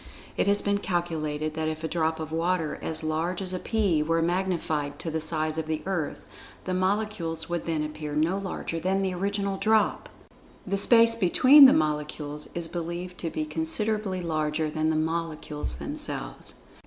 It has been calculated that if a drop of water as large as a pea were magnified to the size of the Earth, the molecules would then appear no larger than the original drop. The space between the molecules is believed to be considerably larger than the molecules themselves.